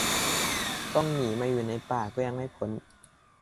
ต้องหนีมาอยู่ในป่าก็ยังไม่พ้น